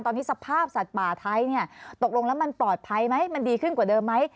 ตอนนี้สภาพสัตว์ป่าไทยเนี่ยตกลงแล้วมันปลอดภัยไหมมันดีขึ้นกว่าเดิมไหม